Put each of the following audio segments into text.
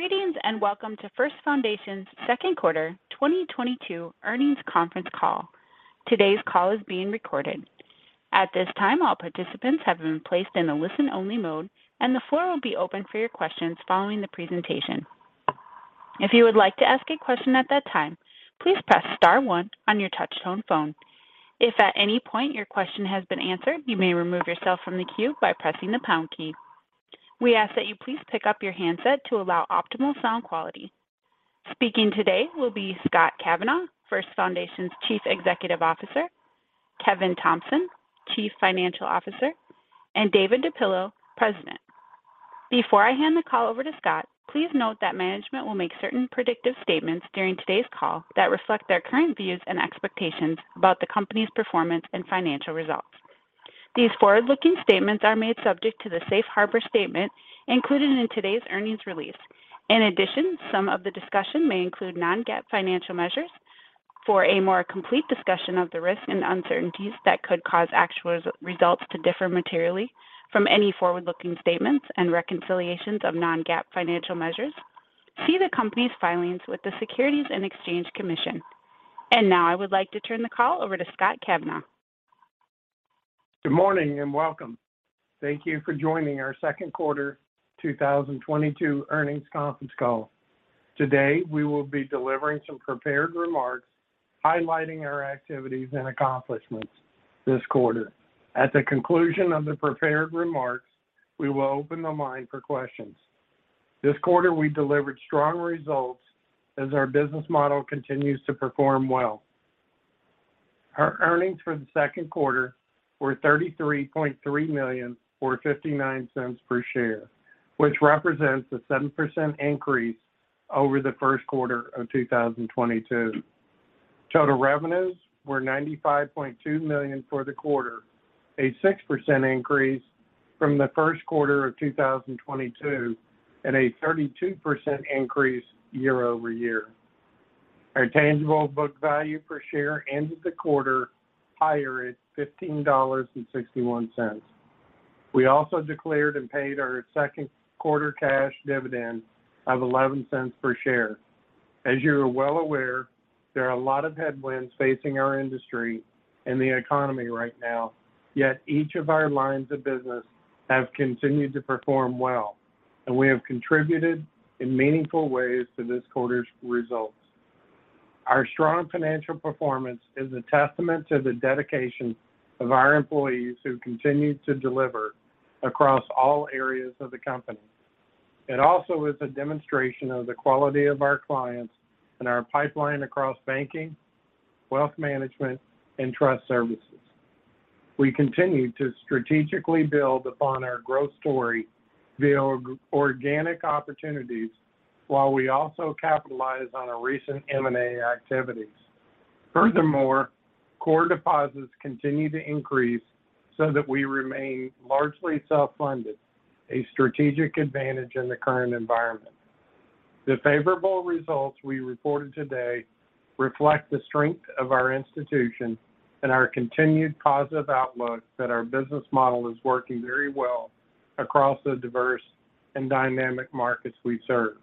Greetings, and welcome to First Foundation's Second Quarter 2022 Earnings Conference Call. Today's call is being recorded. At this time, all participants have been placed in a listen-only mode, and the floor will be open for your questions following the presentation. If you would like to ask a question at that time, please press star one on your touch-tone phone. If at any point your question has been answered, you may remove yourself from the queue by pressing the pound key. We ask that you please pick up your handset to allow optimal sound quality. Speaking today will be Scott Kavanaugh, First Foundation's Chief Executive Officer, Kevin Thompson, Chief Financial Officer, and David DePillo, President. Before I hand the call over to Scott, please note that management will make certain predictive statements during today's call that reflect their current views and expectations about the company's performance and financial results. These forward-looking statements are made subject to the safe harbor statement included in today's earnings release. In addition, some of the discussion may include non-GAAP financial measures. For a more complete discussion of the risks and uncertainties that could cause actual results to differ materially from any forward-looking statements and reconciliations of non-GAAP financial measures, see the company's filings with the Securities and Exchange Commission. Now I would like to turn the call over to Scott Kavanaugh. Good morning and welcome. Thank you for joining our Second Quarter 2022 Earnings Conference Call. Today, we will be delivering some prepared remarks highlighting our activities and accomplishments this quarter. At the conclusion of the prepared remarks, we will open the line for questions. This quarter, we delivered strong results as our business model continues to perform well. Our earnings for the second quarter were $33.3 million, or $0.59 per share, which represents a 7% increase over the first quarter of 2022. Total revenues were $95.2 million for the quarter, a 6% increase from the first quarter of 2022, and a 32% increase year-over-year. Our tangible book value per share ended the quarter higher at $15.61. We also declared and paid our second quarter cash dividend of $0.11 per share. As you're well aware, there are a lot of headwinds facing our industry and the economy right now, yet each of our lines of business have continued to perform well, and we have contributed in meaningful ways to this quarter's results. Our strong financial performance is a testament to the dedication of our employees who continue to deliver across all areas of the company. It also is a demonstration of the quality of our clients and our pipeline across banking, wealth management, and trust services. We continue to strategically build upon our growth story via organic opportunities while we also capitalize on our recent M&A activities. Furthermore, core deposits continue to increase so that we remain largely self-funded, a strategic advantage in the current environment. The favorable results we reported today reflect the strength of our institution and our continued positive outlook that our business model is working very well across the diverse and dynamic markets we serve.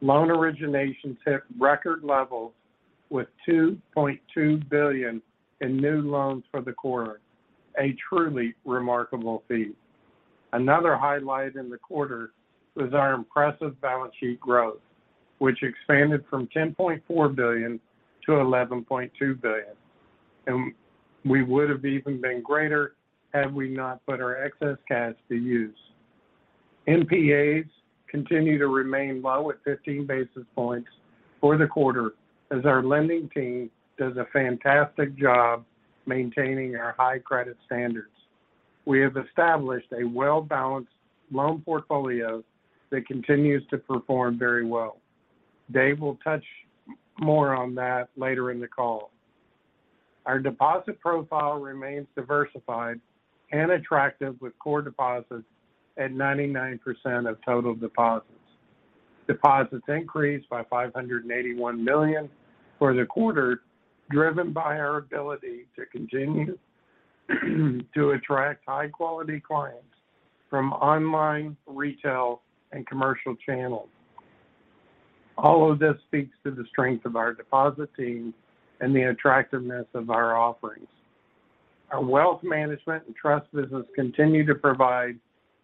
Loan originations hit record levels with $2.2 billion in new loans for the quarter, a truly remarkable feat. Another highlight in the quarter was our impressive balance sheet growth, which expanded from $10.4 billion-$11.2 billion, and we would have even been greater had we not put our excess cash to use. NPAs continue to remain low at 15 basis points for the quarter as our lending team does a fantastic job maintaining our high credit standards. We have established a well-balanced loan portfolio that continues to perform very well. Dave will touch more on that later in the call. Our deposit profile remains diversified and attractive with core deposits at 99% of total deposits. Deposits increased by $581 million for the quarter, driven by our ability to continue to attract high-quality clients from online, retail, and commercial channels. All of this speaks to the strength of our deposit team and the attractiveness of our offerings. Our wealth management and trust business continue to provide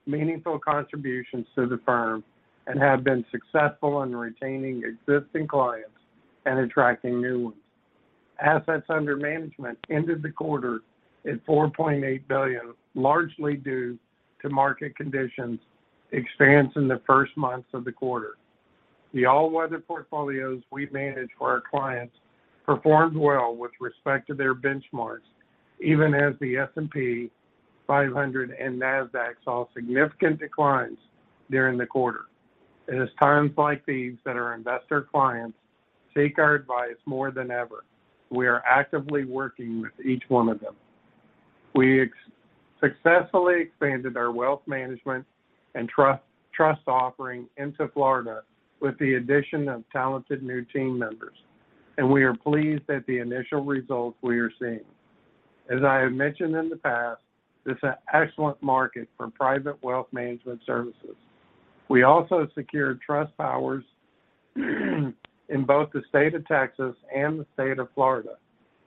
meaningful contributions to the firm and have been successful in retaining existing clients and attracting new ones. Assets under management ended the quarter at $4.8 billion, largely due to market conditions expansion in the first months of the quarter. The all-weather portfolios we manage for our clients performed well with respect to their benchmarks, even as the S&P 500 and Nasdaq saw significant declines during the quarter. It is times like these that our investor clients seek our advice more than ever. We are actively working with each one of them. We successfully expanded our wealth management and trust offering into Florida with the addition of talented new team members, and we are pleased at the initial results we are seeing. As I have mentioned in the past, it's an excellent market for private wealth management services. We also secured trust powers in both the State of Texas and the State of Florida,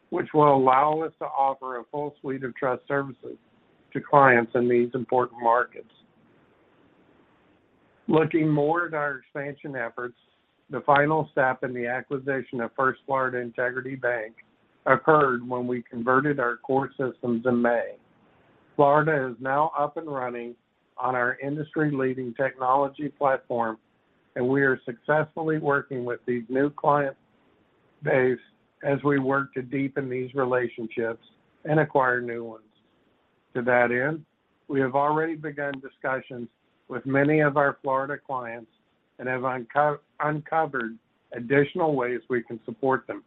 which will allow us to offer a full suite of trust services to clients in these important markets. Looking more at our expansion efforts, the final step in the acquisition of First Florida Integrity Bank occurred when we converted our core systems in May. Florida is now up and running on our industry-leading technology platform, and we are successfully working with the new client base as we work to deepen these relationships and acquire new ones. To that end, we have already begun discussions with many of our Florida clients and have uncovered additional ways we can support them,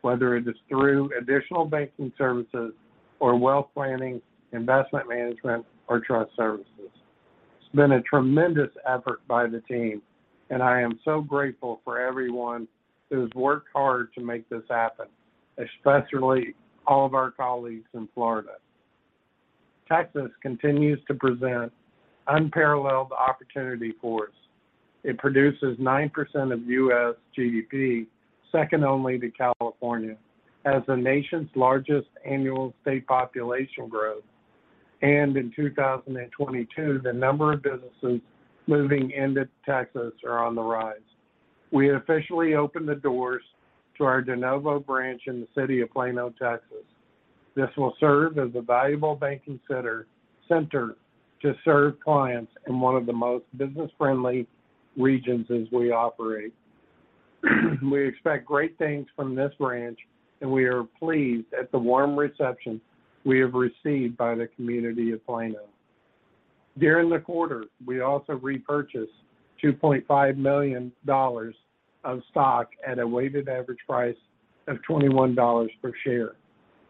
whether it is through additional banking services or wealth planning, investment management, or trust services. It's been a tremendous effort by the team, and I am so grateful for everyone who has worked hard to make this happen, especially all of our colleagues in Florida. Texas continues to present unparalleled opportunity for us. It produces 9% of U.S. GDP, second only to California, has the nation's largest annual state population growth. In 2022, the number of businesses moving into Texas are on the rise. We officially opened the doors to our de novo branch in the city of Plano, Texas. This will serve as a valuable banking center to serve clients in one of the most business-friendly regions as we operate. We expect great things from this branch, and we are pleased at the warm reception we have received by the community of Plano. During the quarter, we also repurchased $2.5 million of stock at a weighted average price of $21 per share.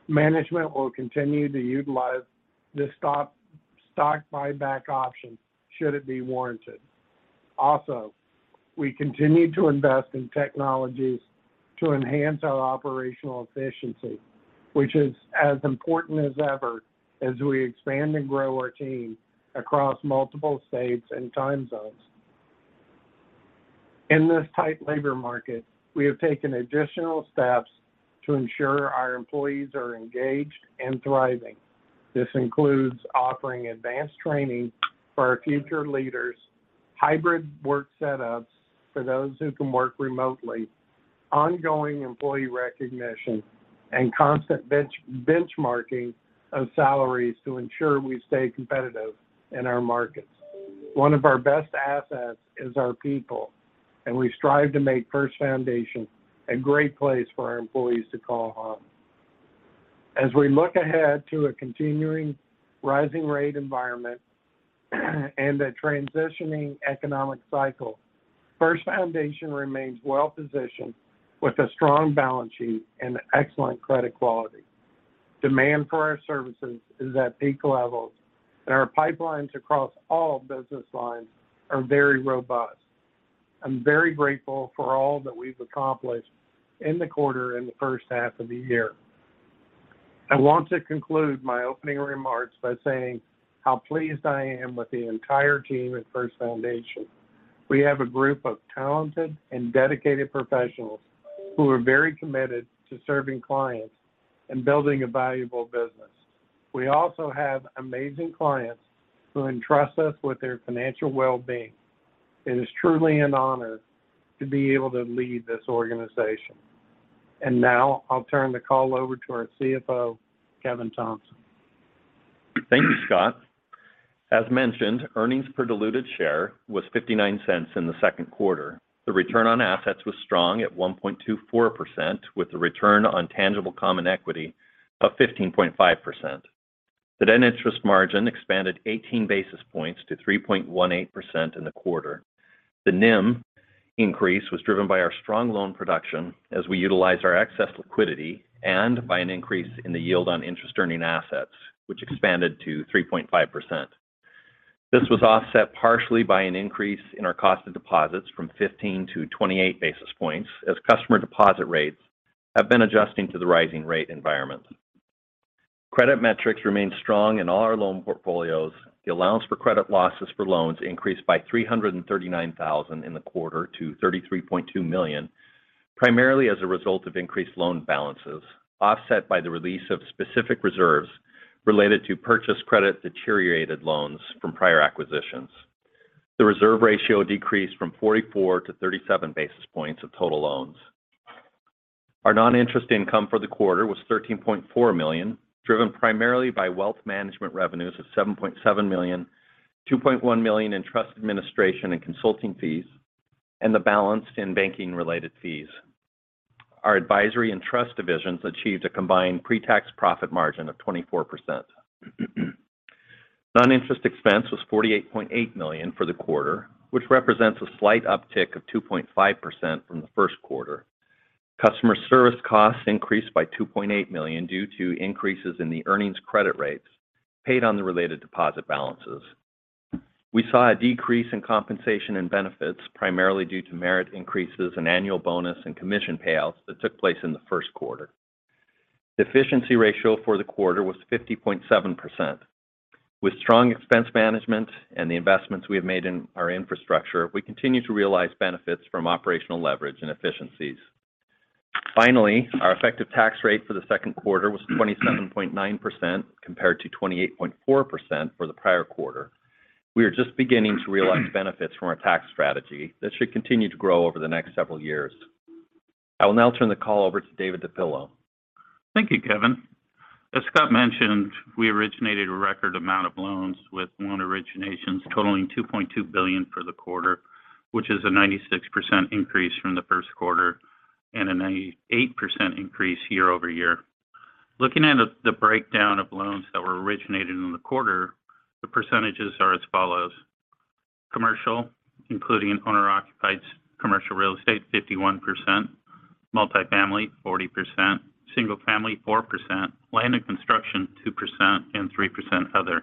Management will continue to utilize this stock buyback option should it be warranted. Also, we continue to invest in technologies to enhance our operational efficiency, which is as important as ever as we expand and grow our team across multiple states and time zones. In this tight labor market, we have taken additional steps to ensure our employees are engaged and thriving. This includes offering advanced training for our future leaders, hybrid work setups for those who can work remotely, ongoing employee recognition, and constant benchmarking of salaries to ensure we stay competitive in our markets. One of our best assets is our people, and we strive to make First Foundation a great place for our employees to call home. As we look ahead to a continuing rising rate environment and a transitioning economic cycle, First Foundation remains well-positioned with a strong balance sheet and excellent credit quality. Demand for our services is at peak levels, and our pipelines across all business lines are very robust. I'm very grateful for all that we've accomplished in the quarter and the first half of the year. I want to conclude my opening remarks by saying how pleased I am with the entire team at First Foundation. We have a group of talented and dedicated professionals who are very committed to serving clients and building a valuable business. We also have amazing clients who entrust us with their financial well-being. It is truly an honor to be able to lead this organization. Now I'll turn the call over to our CFO, Kevin Thompson. Thank you, Scott. As mentioned, earnings per diluted share was $0.59 in the second quarter. The return on assets was strong at 1.24%, with the return on tangible common equity of 15.5%. The net interest margin expanded 18 basis points to 3.18% in the quarter. The NIM increase was driven by our strong loan production as we utilized our excess liquidity and by an increase in the yield on interest-earning assets, which expanded to 3.5%. This was offset partially by an increase in our cost of deposits from 15-28 basis points as customer deposit rates have been adjusting to the rising rate environment. Credit metrics remained strong in all our loan portfolios. The allowance for credit losses for loans increased by $339,000 in the quarter to $33.2 million, primarily as a result of increased loan balances, offset by the release of specific reserves related to purchased credit deteriorated loans from prior acquisitions. The reserve ratio decreased from 44-37 basis points of total loans. Our non-interest income for the quarter was $13.4 million, driven primarily by wealth management revenues of $7.7 million, $2.1 million in trust administration and consulting fees, and the balance in banking-related fees. Our advisory and trust divisions achieved a combined pre-tax profit margin of 24%. Non-interest expense was $48.8 million for the quarter, which represents a slight uptick of 2.5% from the first quarter. Customer service costs increased by $2.8 million due to increases in the earnings credit rates paid on the related deposit balances. We saw a decrease in compensation and benefits primarily due to merit increases in annual bonus and commission payouts that took place in the first quarter. The efficiency ratio for the quarter was 50.7%. With strong expense management and the investments we have made in our infrastructure, we continue to realize benefits from operational leverage and efficiencies. Finally, our effective tax rate for the second quarter was 27.9% compared to 28.4% for the prior quarter. We are just beginning to realize benefits from our tax strategy that should continue to grow over the next several years. I will now turn the call over to David DePillo. Thank you, Kevin. As Scott mentioned, we originated a record amount of loans with loan originations totaling $2.2 billion for the quarter, which is a 96% increase from the first quarter and an 88% increase year-over-year. Looking at the breakdown of loans that were originated in the quarter, the percentages are as follows. Commercial, including owner-occupied commercial real estate, 51%, multifamily, 40%, single-family, 4%, land and construction, 2%, and 3% other.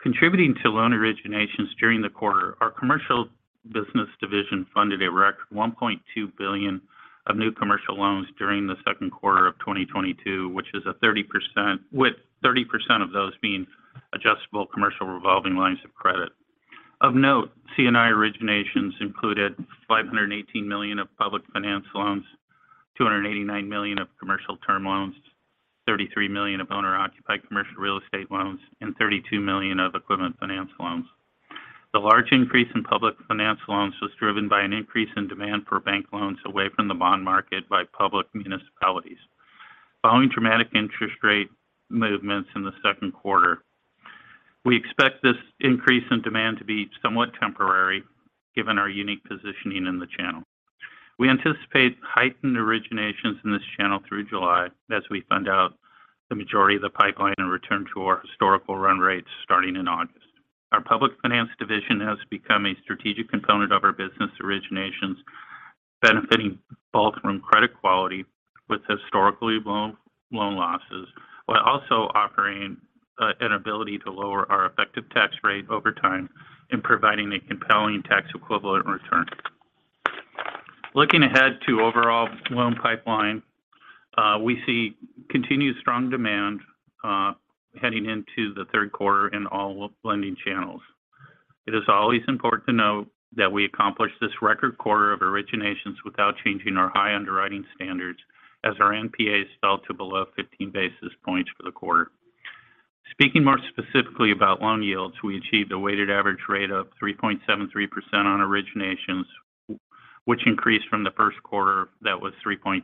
Contributing to loan originations during the quarter, our commercial business division funded a record $1.2 billion of new commercial loans during the second quarter of 2022, which is 30%, with 30% of those being adjustable commercial revolving lines of credit. Of note, C&I originations included $518 million of public finance loans, $289 million of commercial term loans, $33 million of owner-occupied commercial real estate loans, and $32 million of equipment finance loans. The large increase in public finance loans was driven by an increase in demand for bank loans away from the bond market by public municipalities. Following dramatic interest rate movements in the second quarter, we expect this increase in demand to be somewhat temporary given our unique positioning in the channel. We anticipate heightened originations in this channel through July as we fund out the majority of the pipeline and return to our historical run rates starting in August. Our public finance division has become a strategic component of our business originations, benefiting both from credit quality with historically low loan losses, while also offering an ability to lower our effective tax rate over time and providing a compelling tax equivalent return. Looking ahead to overall loan pipeline, we see continued strong demand heading into the third quarter in all lending channels. It is always important to note that we accomplished this record quarter of originations without changing our high underwriting standards as our NPAs fell to below 15 basis points for the quarter. Speaking more specifically about loan yields, we achieved a weighted average rate of 3.73% on originations, which increased from the first quarter that was 3.36%.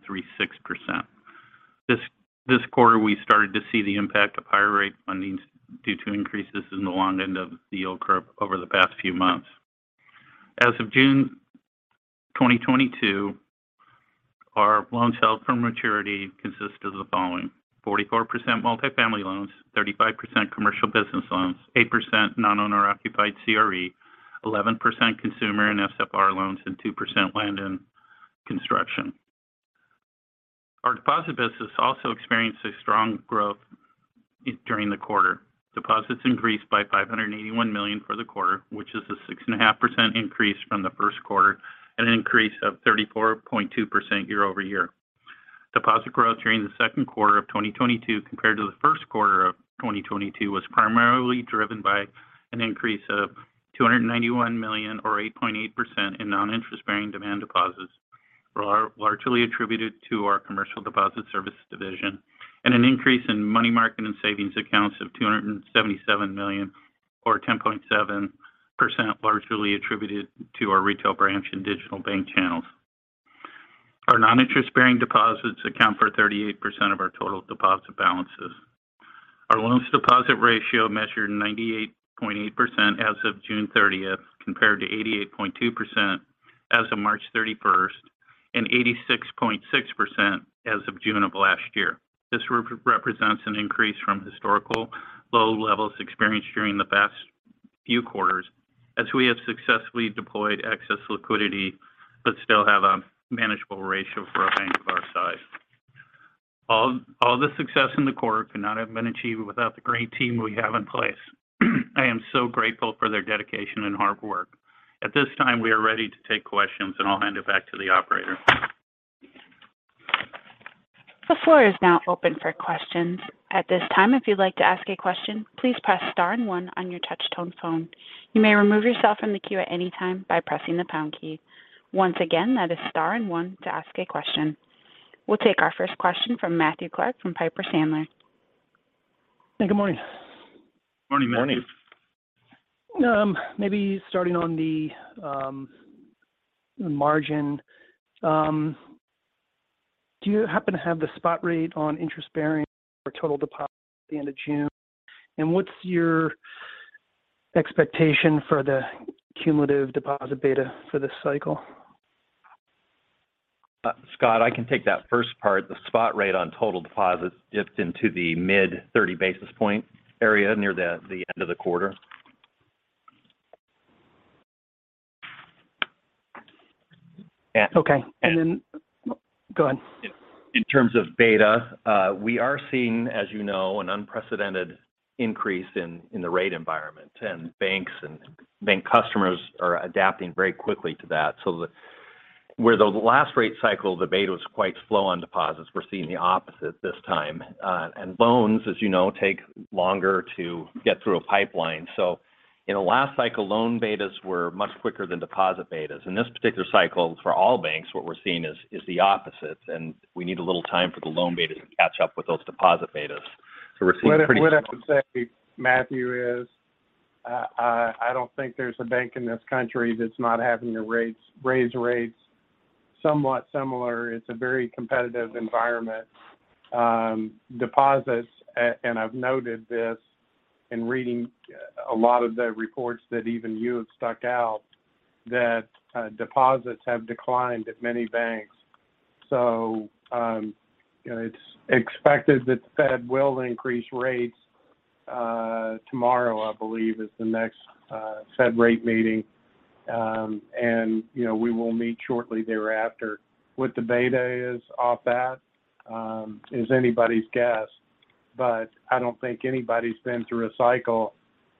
This quarter, we started to see the impact of higher rate fundings due to increases in the long end of the yield curve over the past few months. As of June 2022, our loans held for maturity consist of the following. 44% multifamily loans, 35% commercial business loans, 8% non-owner occupied CRE, 11% consumer and SFR loans, and 2% land and construction. Our deposit business also experienced a strong growth during the quarter. Deposits increased by $581 million for the quarter, which is a 6.5% increase from the first quarter and an increase of 34.2% year-over-year. Deposit growth during the second quarter of 2022 compared to the first quarter of 2022 was primarily driven by an increase of $291 million or 8.8% in non-interest-bearing demand deposits, were largely attributed to our commercial deposit service division and an increase in money market and savings accounts of $277 million or 10.7%, largely attributed to our retail branch and digital bank channels. Our non-interest-bearing deposits account for 38% of our total deposit balances. Our loans deposit ratio measured 98.8% as of June 30th compared to 88.2% as of March 31st and 86.6% as of June of last year. This represents an increase from historical low levels experienced during the past few quarters as we have successfully deployed excess liquidity but still have a manageable ratio for a bank of our size. All the success in the quarter could not have been achieved without the great team we have in place. I am so grateful for their dedication and hard work. At this time, we are ready to take questions, and I'll hand it back to the operator. The floor is now open for questions. At this time, if you'd like to ask a question, please press star and one on your touch tone phone. You may remove yourself from the queue at any time by pressing the pound key. Once again, that is star and one to ask a question. We'll take our first question from Matthew Clark from Piper Sandler. Hey, good morning. Morning, Matthew. Maybe starting on the margin. Do you happen to have the spot rate on interest bearing or total deposit at the end of June? What's your expectation for the cumulative deposit beta for this cycle? Scott, I can take that first part. The spot rate on total deposits dipped into the mid-30 basis point area near the end of the quarter. Okay. Go ahead. In terms of beta, we are seeing, as you know, an unprecedented increase in the rate environment, and banks and bank customers are adapting very quickly to that. In the last rate cycle, the beta was quite slow on deposits. We're seeing the opposite this time. Loans, as you know, take longer to get through a pipeline. In the last cycle, loan betas were much quicker than deposit betas. In this particular cycle, for all banks, what we're seeing is the opposite, and we need a little time for the loan betas to catch up with those deposit betas. We're seeing pretty strong. What I would say, Matthew, is, I don't think there's a bank in this country that's not having to raise rates somewhat similar. It's a very competitive environment. Deposits and I've noted this in reading a lot of the reports that even you have stood out, that deposits have declined at many banks. You know, it's expected that the Fed will increase rates tomorrow, I believe, is the next Fed rate meeting. You know, we will meet shortly thereafter. What the beta is off that is anybody's guess. I don't think anybody's been through a cycle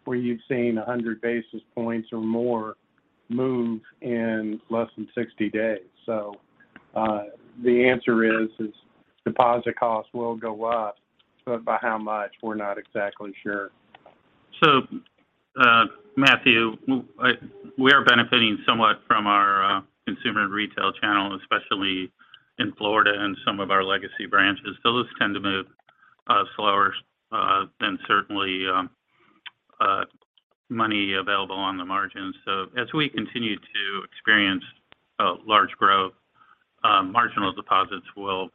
where you've seen 100 basis points or more move in less than 60 days. The answer is deposit costs will go up, but by how much, we're not exactly sure. Matthew, we are benefiting somewhat from our consumer and retail channel, especially in Florida and some of our legacy branches. Those tend to move slower than, certainly, money available on the margins. As we continue to experience large growth, marginal deposits will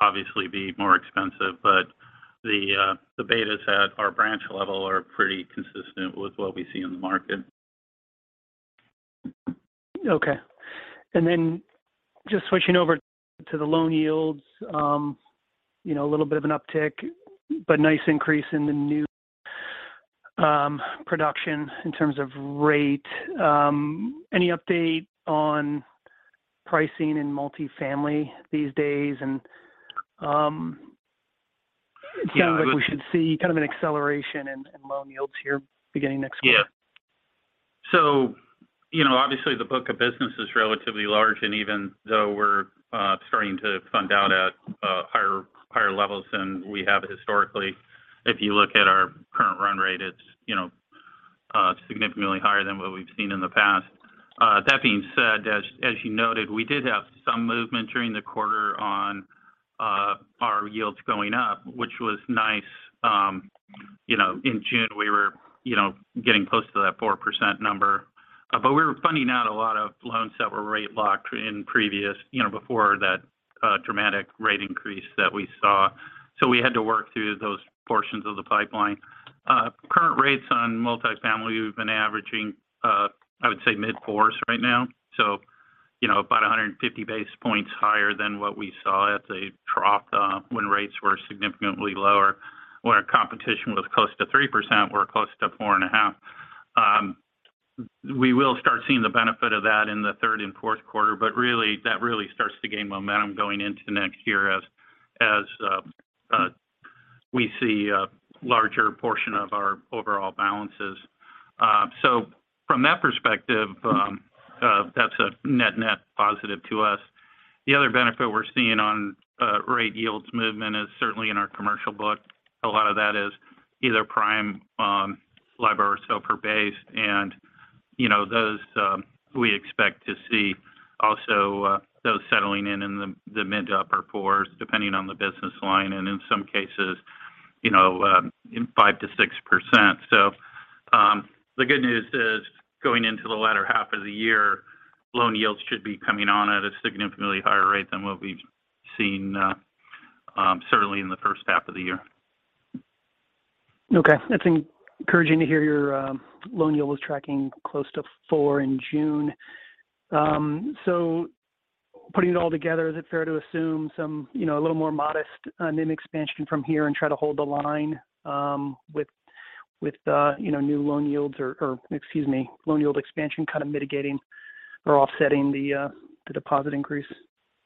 obviously be more expensive, but the betas at our branch level are pretty consistent with what we see in the market. Okay. Just switching over to the loan yields, you know, a little bit of an uptick, but nice increase in the new production in terms of rate. Any update on pricing in multifamily these days? Yeah, look It sounds like we should see kind of an acceleration in loan yields here beginning next quarter. You know, obviously, the book of business is relatively large. Even though we're starting to fund out at higher levels than we have historically, if you look at our current run rate, it's, you know, significantly higher than what we've seen in the past. That being said, as you noted, we did have some movement during the quarter on our yields going up, which was nice. You know, in June, we were, you know, getting close to that 4% number. But we were funding out a lot of loans that were rate locked in you know, before that dramatic rate increase that we saw. We had to work through those portions of the pipeline. Current rates on multifamily, we've been averaging, I would say mid-fours right now. You know, about 150 basis points higher than what we saw at the trough when rates were significantly lower. When our competition was close to 3%, we're close to 4.5%. We will start seeing the benefit of that in the third and fourth quarter. Really, that really starts to gain momentum going into next year as we see a larger portion of our overall balances. So from that perspective, that's a net-net positive to us. The other benefit we're seeing on rate yields movement is certainly in our commercial book. A lot of that is either prime, LIBOR or SOFR based. You know, we expect to see also those settling in the mid- to upper-4s, depending on the business line, and in some cases, you know, in 5%-6%. The good news is going into the latter half of the year, loan yields should be coming on at a significantly higher rate than what we've seen certainly in the first half of the year. Okay. That's encouraging to hear your loan yield was tracking close to 4% in June. Putting it all together, is it fair to assume some, you know, a little more modest NIM expansion from here and try to hold the line with new loan yields or, excuse me, loan yield expansion kind of mitigating or offsetting the deposit increase?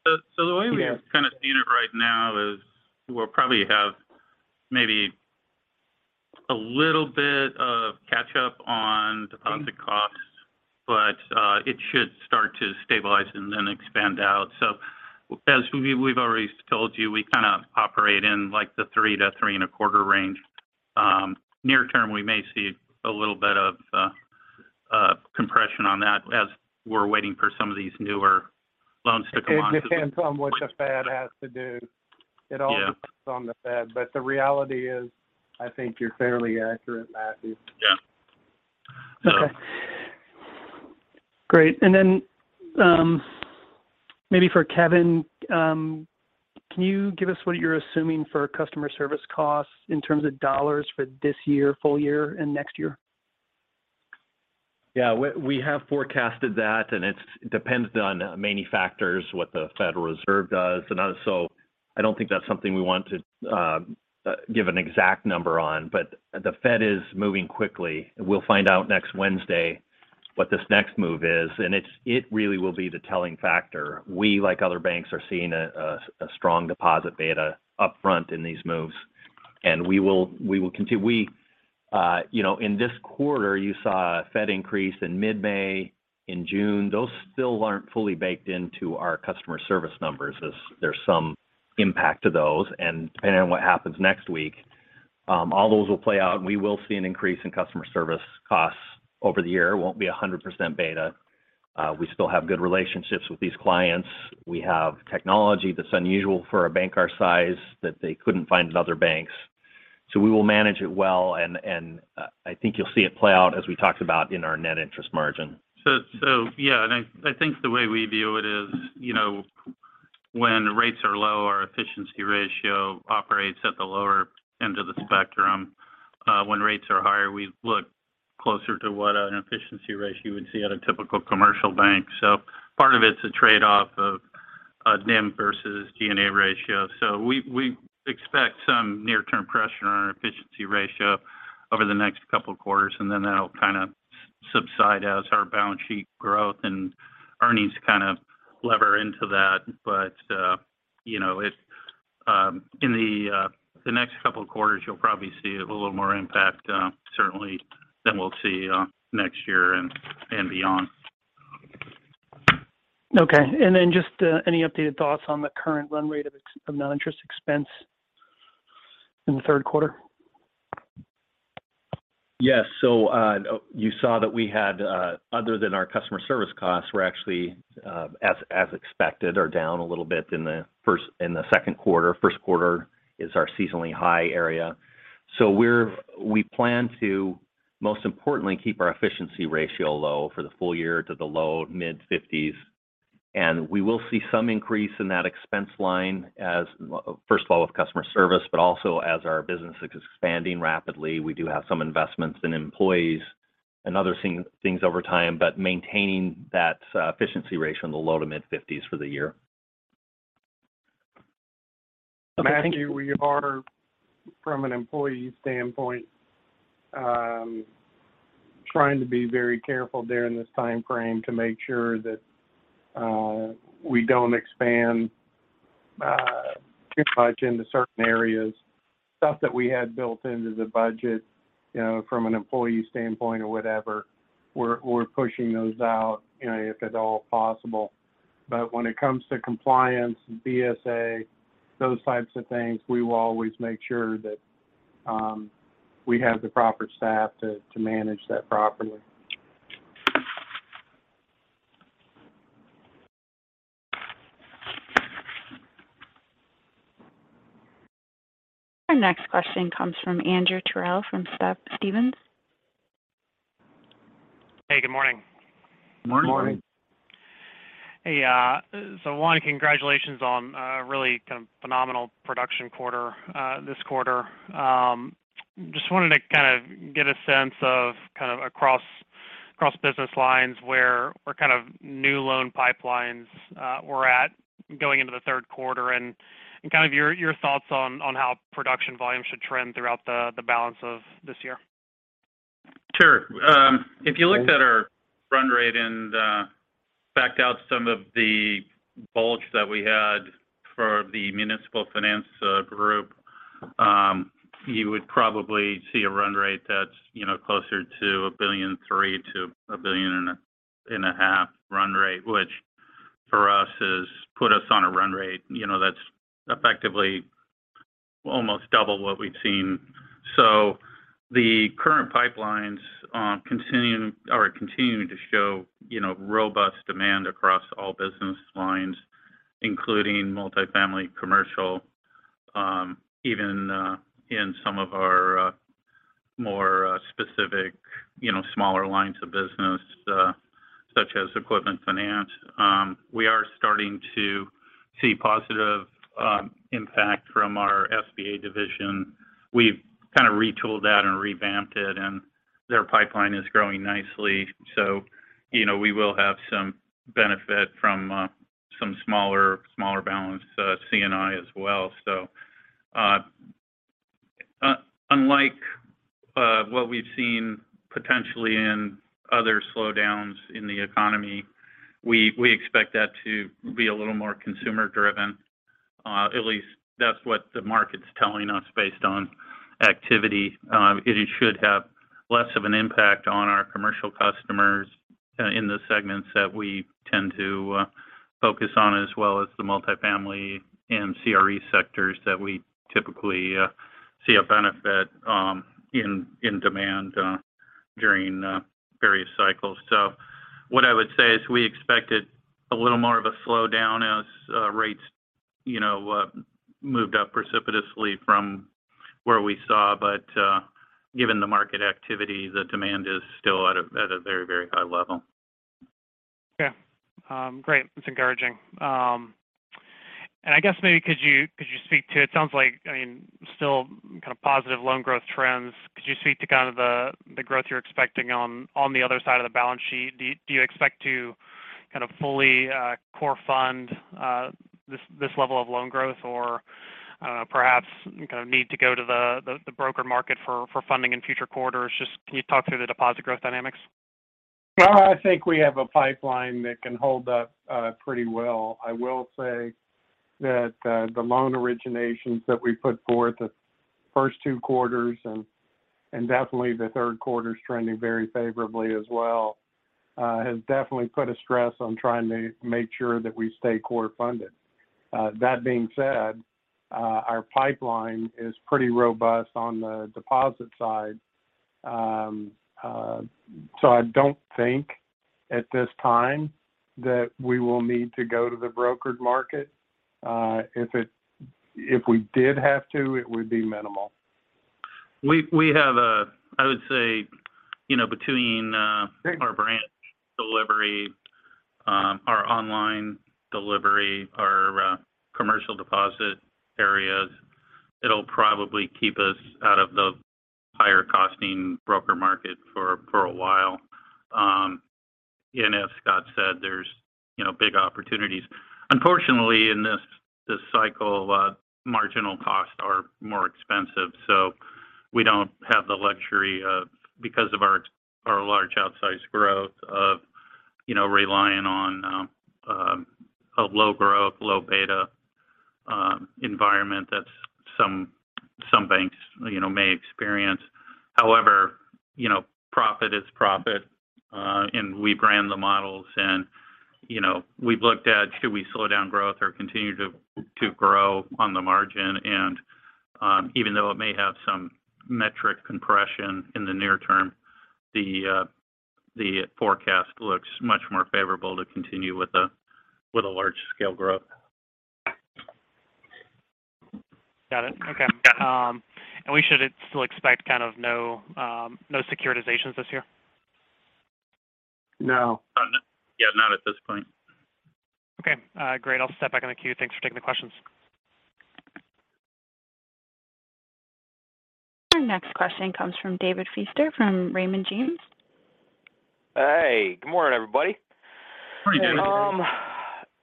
The way we Yeah kind of seeing it right now is we'll probably have maybe a little bit of catch up on deposit costs, but it should start to stabilize and then expand out. We've already told you, we kind of operate in, like, the 3%-3.25% range. Near term, we may see a little bit of compression on that as we're waiting for some of these newer loans to come on to It depends on what the Fed has to do. Yeah. It all depends on the Fed. The reality is, I think you're fairly accurate, Matthew. Yeah. Okay. Great. Maybe for Kevin, can you give us what you're assuming for customer service costs in terms of dollars for this year, full year and next year? Yeah. We have forecasted that, and it depends on many factors, what the Federal Reserve does and also I don't think that's something we want to give an exact number on, but the Fed is moving quickly. We'll find out next Wednesday what this next move is, and it really will be the telling factor. We, like other banks, are seeing a strong deposit beta upfront in these moves, and we will continue. You know, in this quarter, you saw a Fed increase in mid-May, in June. Those still aren't fully baked into our customer service numbers as there's some impact to those. Then what happens next week, all those will play out, and we will see an increase in customer service costs over the year. It won't be a 100% beta. We still have good relationships with these clients. We have technology that's unusual for a bank our size that they couldn't find in other banks. We will manage it well, and I think you'll see it play out as we talked about in our net interest margin. Yeah. I think the way we view it is, you know, when rates are low, our efficiency ratio operates at the lower end of the spectrum. When rates are higher, we look closer to what an efficiency ratio you would see at a typical commercial bank. Part of it's a trade-off of a NIM versus G&A ratio. We expect some near-term pressure on our efficiency ratio over the next couple quarters, and then that'll kind of subside as our balance sheet growth and earnings kind of lever into that. You know, in the next couple quarters, you'll probably see a little more impact, certainly than we'll see next year and beyond. Okay. Just any updated thoughts on the current run rate of non-interest expense in the third quarter? Yes. You saw that we had, other than our customer service costs, we're actually, as expected, are down a little bit in the second quarter. First quarter is our seasonally high area. We plan to most importantly keep our efficiency ratio in the low- to mid-50% for the full year, and we will see some increase in that expense line as, first of all, with customer service, but also as our business is expanding rapidly. We do have some investments in employees and other things over time. Maintaining that efficiency ratio in the low- to mid-50% for the year. Okay. Matthew, we are, from an employee standpoint, trying to be very careful during this timeframe to make sure that we don't expand too much into certain areas. Stuff that we had built into the budget, you know, from an employee standpoint or whatever, we're pushing those out, you know, if at all possible. When it comes to compliance and BSA, those types of things, we will always make sure that we have the proper staff to manage that properly. Our next question comes from Andrew Terrell from Stephens. Hey, good morning. Morning. Morning. Hey, one, congratulations on a really kind of phenomenal production quarter, this quarter. Just wanted to kind of get a sense of kind of across business lines where our kind of new loan pipelines were at going into the third quarter and kind of your thoughts on how production volume should trend throughout the balance of this year? Sure. If you look at our run rate and backed out some of the bulge that we had for the municipal finance group, you would probably see a run rate that's, you know, closer to $1.3 billion-$1.5 billion run rate, which for us has put us on a run rate, you know, that's effectively almost double what we've seen. The current pipelines are continuing to show, you know, robust demand across all business lines, including multifamily commercial, even in some of our more specific, you know, smaller lines of business, such as equipment finance. We are starting to see positive impact from our SBA division. We've kind of retooled that and revamped it, and their pipeline is growing nicely, so you know, we will have some benefit from some smaller balance C&I as well. Unlike what we've seen potentially in other slowdowns in the economy, we expect that to be a little more consumer-driven. At least that's what the market's telling us based on activity. It should have less of an impact on our commercial customers in the segments that we tend to focus on, as well as the multifamily and CRE sectors that we typically see a benefit in demand during various cycles. What I would say is we expected a little more of a slowdown as rates you know moved up precipitously from where we saw. Given the market activity, the demand is still at a very, very high level. Okay. Great. That's encouraging. I guess maybe could you speak to it. It sounds like, I mean, still kind of positive loan growth trends. Could you speak to kind of the growth you're expecting on the other side of the balance sheet? Do you expect to kind of fully core fund this level of loan growth or perhaps kind of need to go to the broker market for funding in future quarters? Just can you talk through the deposit growth dynamics? Well, I think we have a pipeline that can hold up, pretty well. I will say that, the loan originations that we put forth the first two quarters and definitely the third quarter's trending very favorably as well, has definitely put a stress on trying to make sure that we stay core funded. That being said, our pipeline is pretty robust on the deposit side. I don't think at this time that we will need to go to the brokered market. If we did have to, it would be minimal. We have a, I would say, you know, between our branch delivery, our online delivery, our commercial deposit areas, it'll probably keep us out of the higher costing broker market for a while. As Scott said, there's big opportunities. Unfortunately, in this cycle, marginal costs are more expensive, so we don't have the luxury of, because of our large outsized growth of relying on a low growth, low beta environment that some banks may experience. However, profit is profit, and we ran the models and we've looked at should we slow down growth or continue to grow on the margin? Even though it may have some metric compression in the near term, the forecast looks much more favorable to continue with a large scale growth. Got it. Okay. Yeah. We should still expect kind of no securitizations this year? No. Yeah, not at this point. Okay. Great. I'll step back in the queue. Thanks for taking the questions. Our next question comes from David Feaster from Raymond James. Hey, good morning, everybody. Morning, David.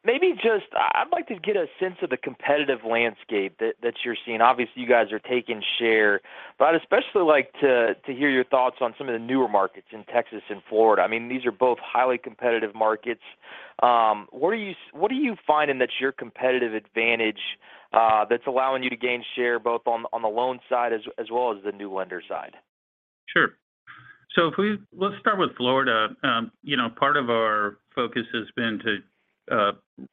Maybe just I'd like to get a sense of the competitive landscape that you're seeing. Obviously, you guys are taking share, but I'd especially like to hear your thoughts on some of the newer markets in Texas and Florida. I mean, these are both highly competitive markets. What are you finding that's your competitive advantage that's allowing you to gain share both on the loan side as well as the new lender side? Let's start with Florida. You know, part of our focus has been to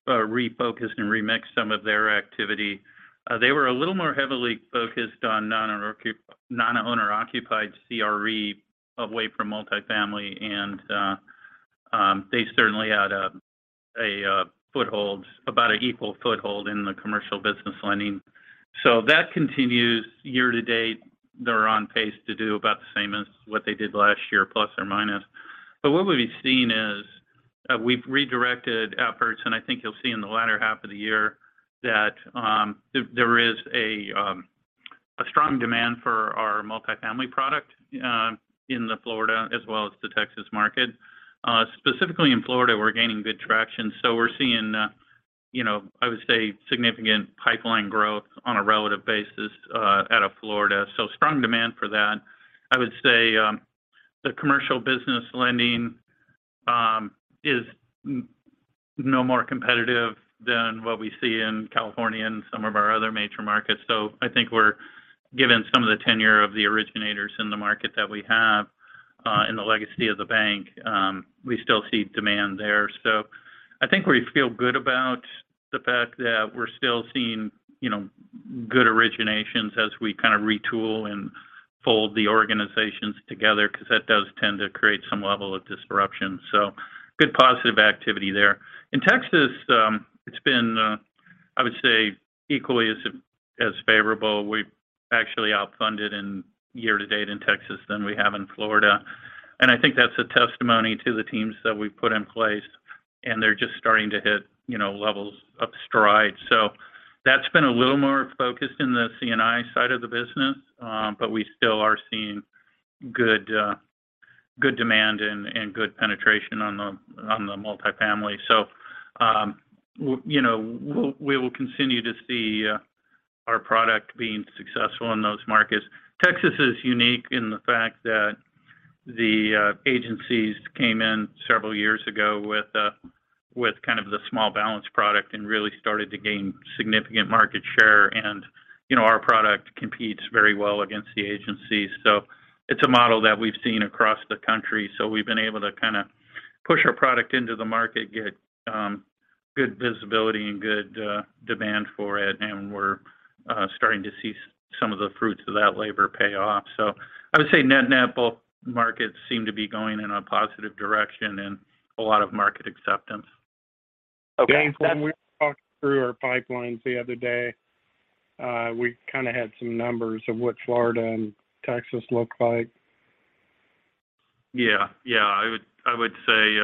refocus and remix some of their activity. They were a little more heavily focused on non-owner occupied CRE away from multifamily, and they certainly had a foothold, about an equal foothold in the commercial business lending. That continues. Year to date, they're on pace to do about the same as what they did last year, plus or minus. What we've seen is, we've redirected efforts, and I think you'll see in the latter half of the year that there is a strong demand for our multifamily product in Florida as well as the Texas market. Specifically in Florida, we're gaining good traction. We're seeing, you know, I would say significant pipeline growth on a relative basis, out of Florida, so strong demand for that. I would say, the commercial business lending, is no more competitive than what we see in California and some of our other major markets. I think we're given some of the tenure of the originators in the market that we have, in the legacy of the bank, we still see demand there. I think we feel good about the fact that we're still seeing, you know, good originations as we kind of retool and fold the organizations together because that does tend to create some level of disruption. Good positive activity there. In Texas, it's been, I would say equally as favorable. We've actually outfunded year to date in Texas than we have in Florida. I think that's a testimony to the teams that we've put in place, and they're just starting to hit, you know, levels of stride. That's been a little more focused in the C&I side of the business. We still are seeing good demand and good penetration on the multifamily. You know, we will continue to see our product being successful in those markets. Texas is unique in the fact that the agencies came in several years ago with kind of the small balance product and really started to gain significant market share. You know, our product competes very well against the agencies. It's a model that we've seen across the country. We've been able to kind of push our product into the market, get good visibility and good demand for it, and we're starting to see some of the fruits of that labor pay off. I would say net-net, both markets seem to be going in a positive direction and a lot of market acceptance. Okay. James, when we talked through our pipelines the other day, we kind of had some numbers of what Florida and Texas look like. Yeah. Yeah. I would say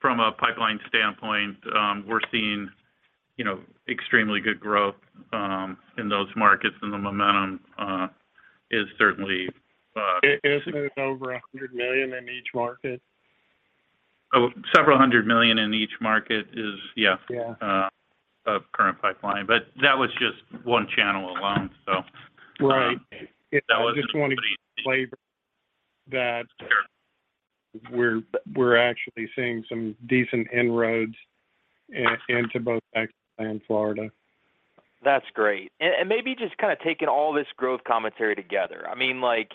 from a pipeline standpoint, we're seeing, you know, extremely good growth in those markets, and the momentum is certainly. Is it over $100 million in each market? Oh, several hundred million in each market is. Yeah. Yeah. Of current pipeline. That was just one channel alone, so. Right. That wasn't. I just want to elaborate that. Sure We're actually seeing some decent inroads into both Texas and Florida. That's great. Maybe just kind of taking all this growth commentary together. I mean, like,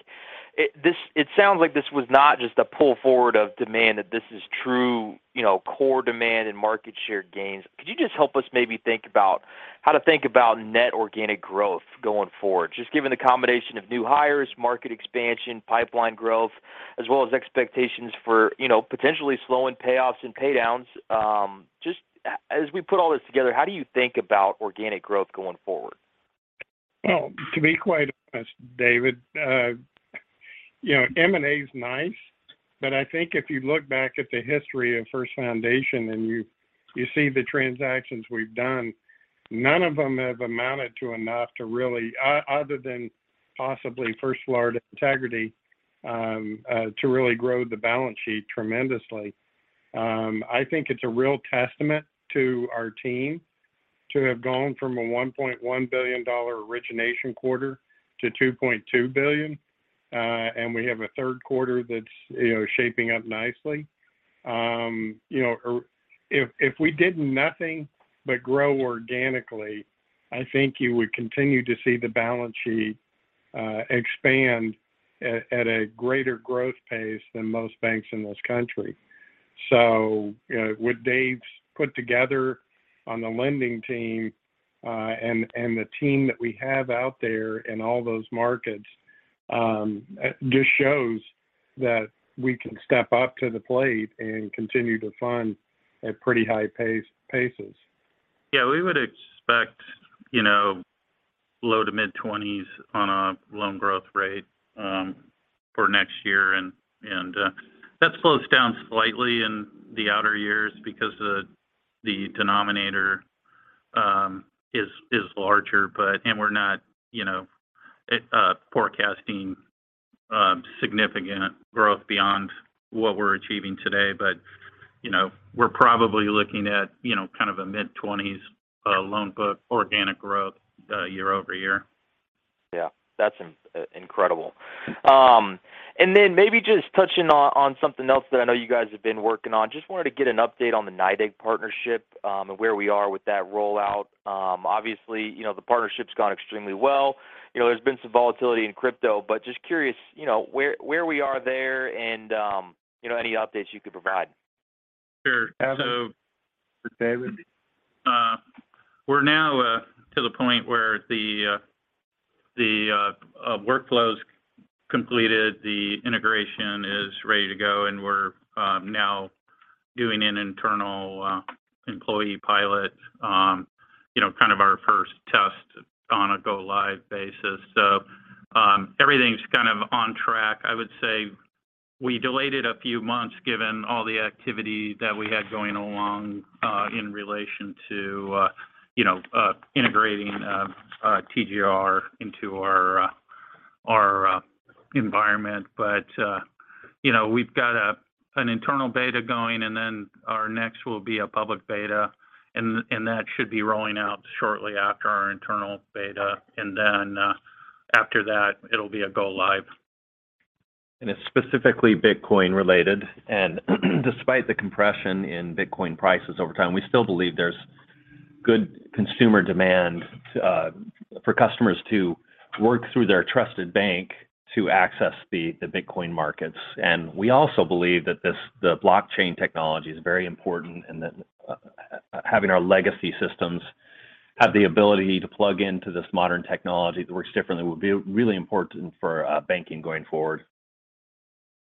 it sounds like this was not just a pull forward of demand, that this is true, you know, core demand and market share gains. Could you just help us maybe think about how to think about net organic growth going forward? Just given the combination of new hires, market expansion, pipeline growth, as well as expectations for, you know, potentially slowing payoffs and pay downs. Just as we put all this together, how do you think about organic growth going forward? Well, to be quite honest, David, you know, M&A is nice, but I think if you look back at the history of First Foundation and you see the transactions we've done, none of them have amounted to enough, other than possibly First Florida Integrity, to really grow the balance sheet tremendously. I think it's a real testament to our team to have gone from a $1.1 billion origination quarter to $2.2 billion. And we have a third quarter that's, you know, shaping up nicely. You know, or if we did nothing but grow organically, I think you would continue to see the balance sheet expand at a greater growth pace than most banks in this country. You know, what Dave's put together on the lending team, and the team that we have out there in all those markets, just shows that we can step up to the plate and continue to fund at pretty high paces. Yeah. We would expect, you know, low- to mid-20% on a loan growth rate for next year and that slows down slightly in the outer years because the denominator is larger. We're not, you know, forecasting significant growth beyond what we're achieving today. You know, we're probably looking at, you know, kind of a mid-20% loan book organic growth year-over-year. Yeah. That's incredible. Maybe just touching on something else that I know you guys have been working on. Just wanted to get an update on the NYDIG partnership and where we are with that rollout. Obviously, you know, the partnership's gone extremely well. You know, there's been some volatility in crypto, but just curious, you know, where we are there and, you know, any updates you could provide. Sure. David, we're now to the point where the workflow is completed, the integration is ready to go, and we're now doing an internal employee pilot, you know, kind of our first test on a go live basis. Everything's kind of on track. I would say we delayed it a few months given all the activity that we had going along in relation to you know integrating TGR into our environment. You know, we've got an internal beta going, and then our next will be a public beta, and that should be rolling out shortly after our internal beta. Then, after that, it'll be a go live. It's specifically Bitcoin related. Despite the compression in Bitcoin prices over time, we still believe there's good consumer demand for customers to work through their trusted bank to access the Bitcoin markets. We also believe that the blockchain technology is very important, and that having our legacy systems have the ability to plug into this modern technology that works differently would be really important for banking going forward.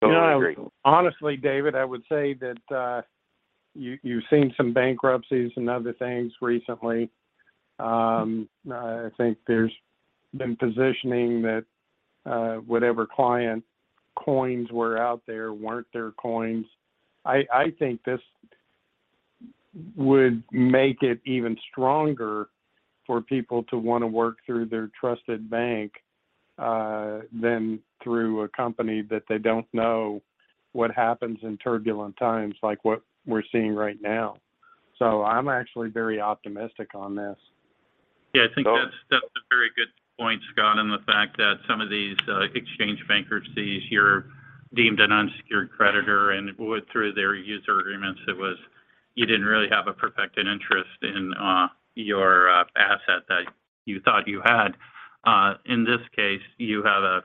No, honestly, David, I would say that you've seen some bankruptcies and other things recently. I think there's been positioning that whatever client coins were out there weren't their coins. I think this would make it even stronger for people to wanna work through their trusted bank than through a company that they don't know what happens in turbulent times, like what we're seeing right now. I'm actually very optimistic on this. Yeah. I think that's a very good point, Scott, and the fact that some of these exchange bankruptcies, you're deemed an unsecured creditor, and through their user agreements, it was you didn't really have a perfected interest in your asset that you thought you had. In this case, you have a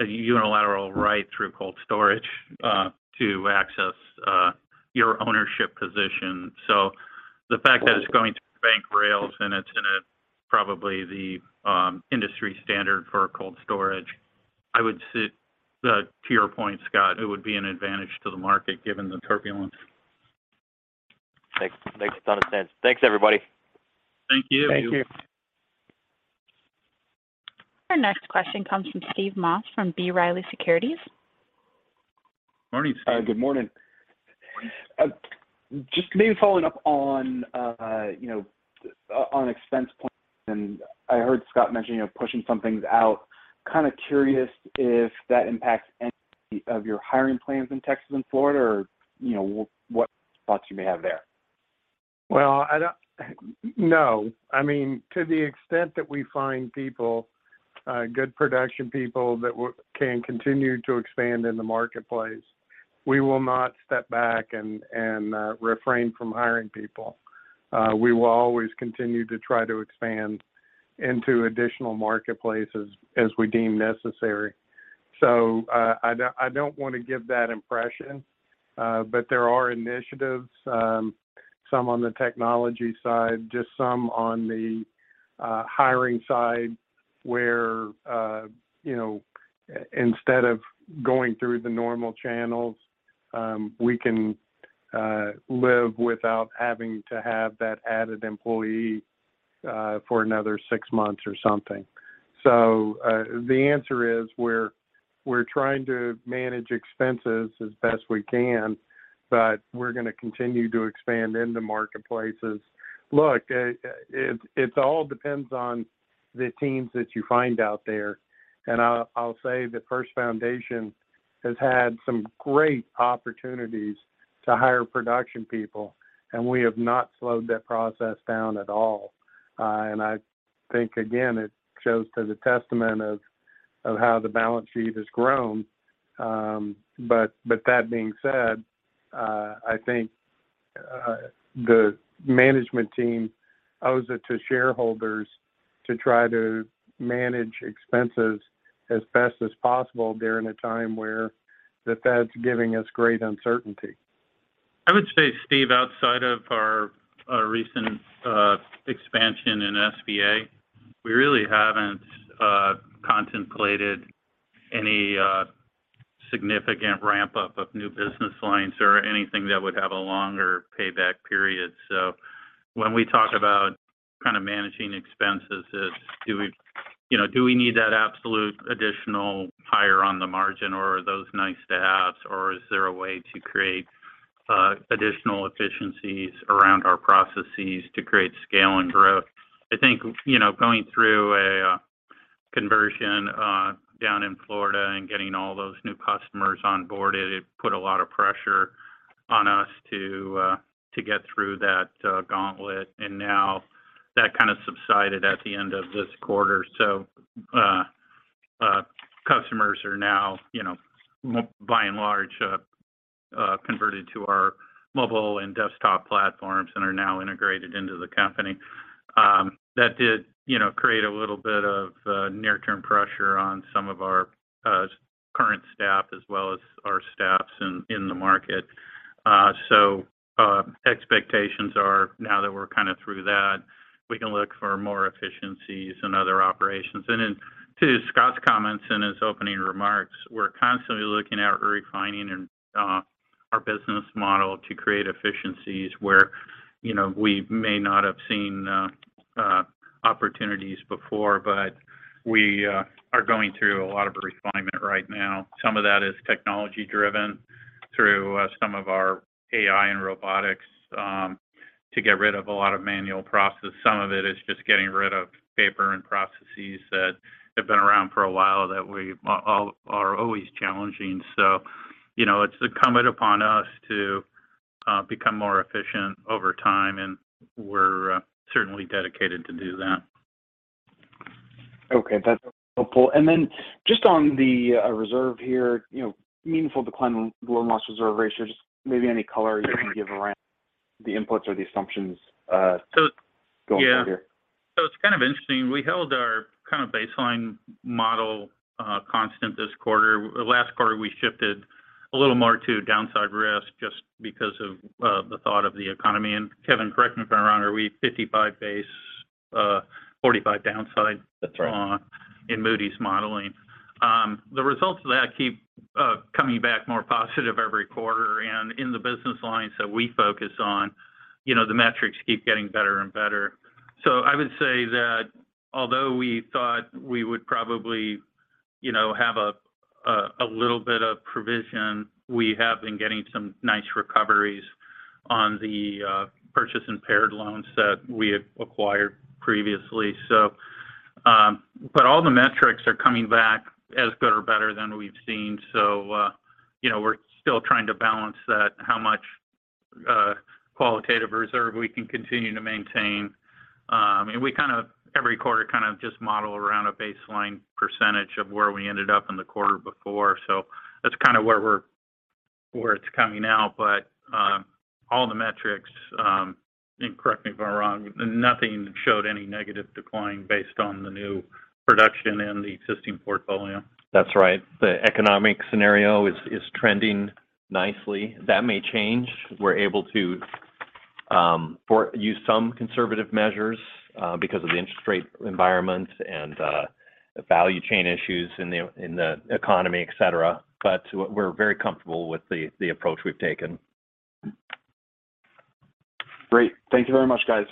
unilateral right through cold storage to access your ownership position. The fact that it's going to bank rails and it's in, probably, the industry standard for cold storage, I would say to your point, Scott, it would be an advantage to the market given the turbulence. Makes a ton of sense. Thanks everybody. Thank you. Thank you. Our next question comes from Steve Moss from B. Riley Securities. Morning, Steve. Good morning. Just maybe following up on, you know, on expense points, and I heard Scott mention, you know, pushing some things out. Kind of curious if that impacts any of your hiring plans in Texas and Florida, or, you know, what thoughts you may have there. Well, no. I mean, to the extent that we find people, good production people that can continue to expand in the marketplace, we will not step back and refrain from hiring people. We will always continue to try to expand into additional marketplaces as we deem necessary. I don't want to give that impression. But there are initiatives, some on the technology side, just some on the hiring side where, you know, instead of going through the normal channels, we can live without having to have that added employee for another six months or something. The answer is we're trying to manage expenses as best we can, but we're gonna continue to expand in the marketplaces. Look, it all depends on the teams that you find out there. I'll say that First Foundation has had some great opportunities to hire production people, and we have not slowed that process down at all. I think, again, it shows testament to how the balance sheet has grown. That being said, I think the management team owes it to shareholders to try to manage expenses as best as possible during a time where the Fed's giving us great uncertainty. I would say, Steve, outside of our recent expansion in SBA, we really haven't contemplated any significant ramp-up of new business lines or anything that would have a longer payback period. When we talk about kind of managing expenses, it's do we, you know, do we need that absolute additional hire on the margin or are those nice to haves, or is there a way to create additional efficiencies around our processes to create scale and growth? I think, you know, going through a conversion down in Florida and getting all those new customers onboarded, it put a lot of pressure on us to get through that gauntlet. Now that kind of subsided at the end of this quarter. Customers are now, you know, by and large, converted to our mobile and desktop platforms and are now integrated into the company. That did, you know, create a little bit of near-term pressure on some of our current staff as well as our staffs in the market. Expectations are now that we're kind of through that. We can look for more efficiencies in other operations. In addition to Scott's comments in his opening remarks, we're constantly looking at refining and our business model to create efficiencies where, you know, we may not have seen opportunities before. We are going through a lot of refinement right now. Some of that is technology-driven through some of our AI and robotics to get rid of a lot of manual process. Some of it is just getting rid of paper and processes that have been around for a while that we all are always challenging. You know, it's incumbent upon us to become more efficient over time, and we're certainly dedicated to do that. Okay. That's helpful. Just on the reserve here, you know, meaningful decline in loan loss reserve ratios. Just maybe any color you can give around the inputs or the assumptions. So Going forward here. It's kind of interesting. We held our kind of baseline model constant this quarter. Last quarter, we shifted a little more to downside risk just because of the thought of the economy. Kevin, correct me if I'm wrong, are we 55 base, 45 downside? That's right. In Moody's modeling, the results of that keep coming back more positive every quarter. In the business lines that we focus on, you know, the metrics keep getting better and better. I would say that although we thought we would probably, you know, have a little bit of provision, we have been getting some nice recoveries on the purchased impaired loans that we acquired previously. But all the metrics are coming back as good or better than we've seen. You know, we're still trying to balance that, how much qualitative reserve we can continue to maintain. We kind of every quarter kind of just model around a baseline percentage of where we ended up in the quarter before. That's kind of where it's coming now. All the metrics, and correct me if I'm wrong, nothing showed any negative decline based on the new production in the existing portfolio. That's right. The economic scenario is trending nicely. That may change. We're able to use some conservative measures because of the interest rate environment and the value chain issues in the economy, et cetera. We're very comfortable with the approach we've taken. Great. Thank you very much, guys.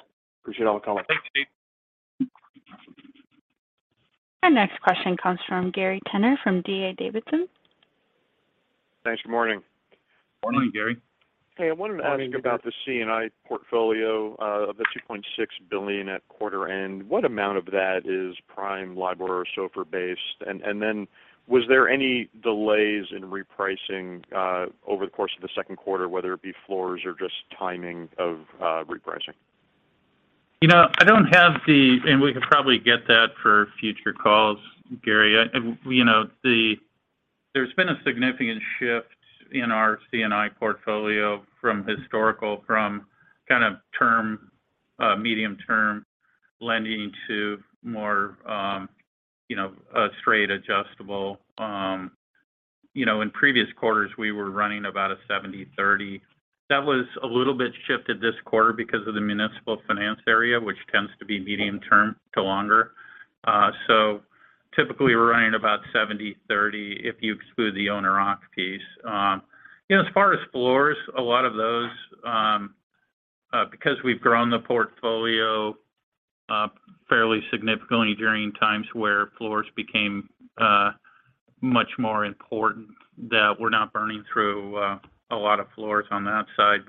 Appreciate all the color. Thanks, Steve. Our next question comes from Gary Tenner from D.A. Davidson & Co. Thanks. Good morning. Morning, Gary. Hey, I wanted to ask you about the C&I portfolio of the $2.6 billion at quarter end. What amount of that is prime LIBOR or SOFR-based? And then was there any delays in repricing over the course of the second quarter, whether it be floors or just timing of repricing? You know, I don't have the. We could probably get that for future calls, Gary. You know, there's been a significant shift in our C&I portfolio from historical kind of term medium-term lending to more you know straight adjustable. You know, in previous quarters, we were running about a 70/30. That was a little bit shifted this quarter because of the municipal finance area, which tends to be medium-term to longer. Typically, we're running about 70/30 if you exclude the owner-occupied piece. You know, as far as floors, a lot of those because we've grown the portfolio fairly significantly during times where floors became much more important that we're now burning through a lot of floors on that side.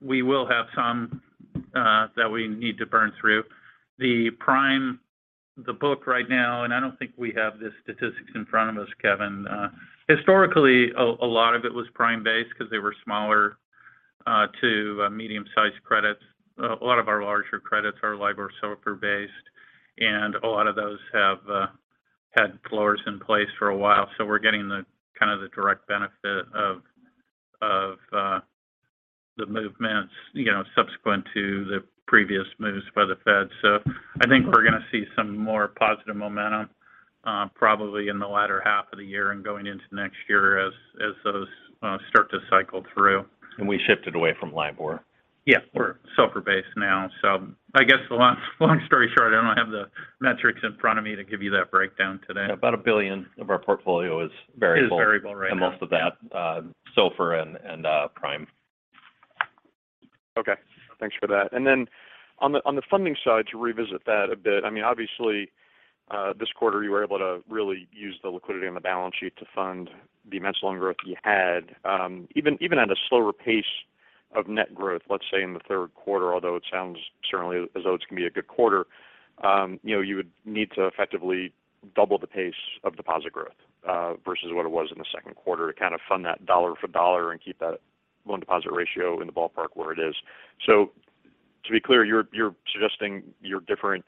We will have some that we need to burn through. The book right now, and I don't think we have the statistics in front of us, Kevin. Historically, a lot of it was prime-based because they were smaller to medium-sized credits. A lot of our larger credits are LIBOR SOFR-based, and a lot of those have had floors in place for a while. We're getting the kind of the direct benefit of the movements, you know, subsequent to the previous moves by the Fed. I think we're gonna see some more positive momentum, probably in the latter half of the year and going into next year as those start to cycle through. We shifted away from LIBOR. Yeah, we're SOFR-based now. I guess the long, long story short, I don't have the metrics in front of me to give you that breakdown today. About $1 billion of our portfolio is variable. Is variable right now. Most of that, SOFR and prime. Okay. Thanks for that. Then on the funding side, to revisit that a bit. I mean, obviously, this quarter, you were able to really use the liquidity on the balance sheet to fund the immense loan growth you had. Even at a slower pace of net growth, let's say in the third quarter, although it sounds certainly as though it's going to be a good quarter, you know, you would need to effectively double the pace of deposit growth versus what it was in the second quarter to kind of fund that dollar for dollar and keep that loan deposit ratio in the ballpark where it is. To be clear, you're suggesting your different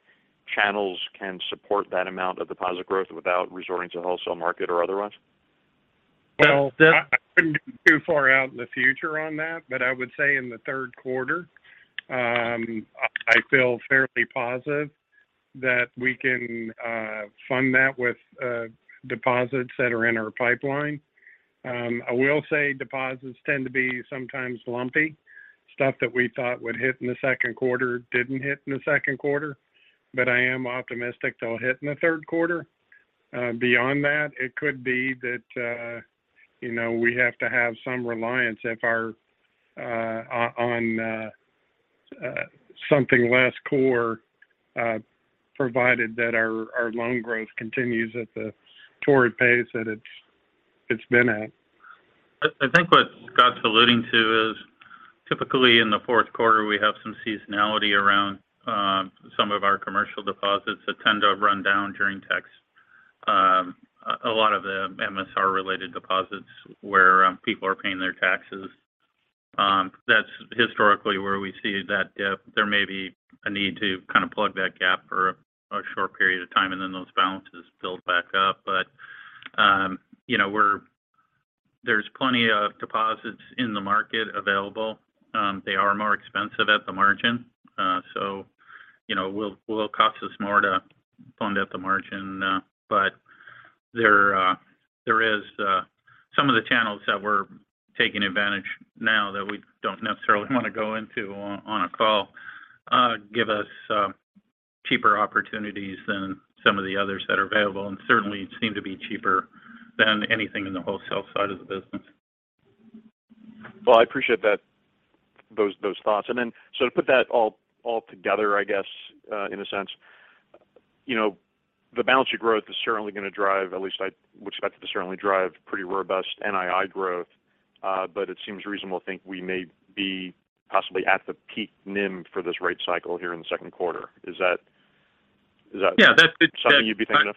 channels can support that amount of deposit growth without resorting to wholesale market or otherwise? I wouldn't be too far out in the future on that, but I would say in the third quarter, I feel fairly positive that we can fund that with deposits that are in our pipeline. I will say deposits tend to be sometimes lumpy. Stuff that we thought would hit in the second quarter didn't hit in the second quarter, but I am optimistic they'll hit in the third quarter. Beyond that, it could be that you know, we have to have some reliance on something less core, provided that our loan growth continues at the torrid pace that it's been at. I think what Scott's alluding to is typically in the fourth quarter, we have some seasonality around some of our commercial deposits that tend to run down during tax. A lot of the MSR-related deposits where people are paying their taxes. That's historically where we see that dip. There may be a need to kind of plug that gap for a short period of time, and then those balances build back up. You know, there's plenty of deposits in the market available. They are more expensive at the margin. You know, will cost us more to fund at the margin. There is some of the channels that we're taking advantage now that we don't necessarily want to go into on a call give us cheaper opportunities than some of the others that are available, and certainly seem to be cheaper than anything in the wholesale side of the business. Well, I appreciate that, those thoughts. To put that all together, I guess, in a sense. You know, the balance of growth is certainly going to drive, at least I would expect it to certainly drive pretty robust NII growth. But it seems reasonable to think we may be possibly at the peak NIM for this rate cycle here in the second quarter. Is that? Yeah. Something you'd be thinking of?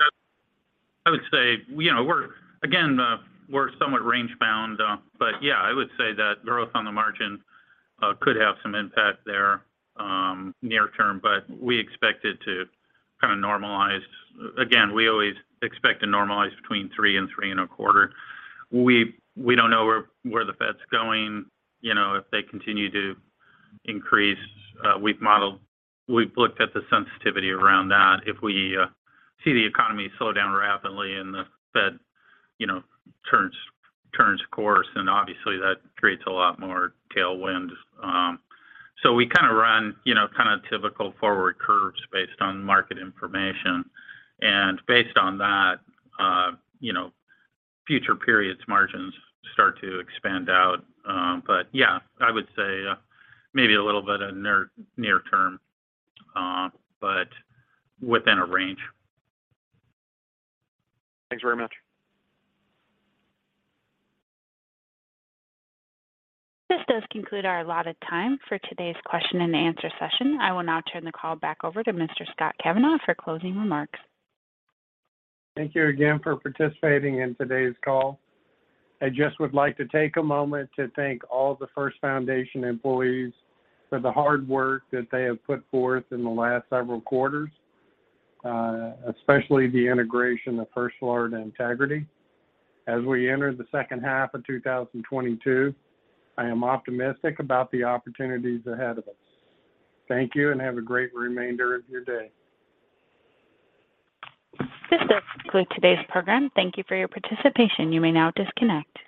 I would say, you know, again, we're somewhat range-bound, but yeah, I would say that growth on the margin could have some impact there, near term, but we expect it to kind of normalize. Again, we always expect to normalize between 3% and 3.25%. We don't know where the Fed's going, you know, if they continue to increase. We've looked at the sensitivity around that. If we see the economy slow down rapidly and the Fed, you know, turns course, then obviously that creates a lot more tailwind. We kind of run, you know, kind of typical forward curves based on market information. Based on that, you know, future periods margins start to expand out. Yeah, I would say maybe a little bit of near term, but within a range. Thanks very much. This does conclude our allotted time for today's question and answer session. I will now turn the call back over to Mr. Scott Kavanaugh for closing remarks. Thank you again for participating in today's call. I just would like to take a moment to thank all the First Foundation employees for the hard work that they have put forth in the last several quarters, especially the integration of First Florida Integrity. As we enter the second half of 2022, I am optimistic about the opportunities ahead of us. Thank you and have a great remainder of your day. This does conclude today's program. Thank you for your participation. You may now disconnect.